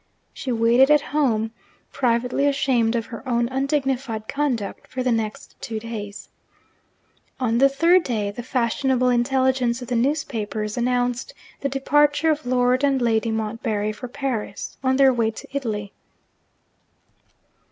She waited at home, privately ashamed of her own undignified conduct, for the next two days. On the third day the fashionable intelligence of the newspapers announced the departure of Lord and Lady Montbarry for Paris, on their way to Italy.